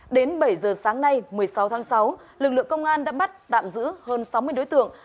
đến bảy giờ sáng nay một mươi sáu tháng sáu lực lượng công an đã bắt tạm giữ hơn sáu mươi đối tượng